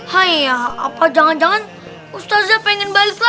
haiya apa jangan jangan ustazah pengen balik lagi ke cairo